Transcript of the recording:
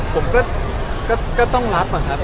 ผมก็อยากผมก็ต้องรอบนะครับ